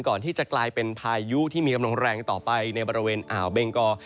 กลายเป็นพายุที่มีกำลังแรงต่อไปในบริเวณอ่าวเบงกอ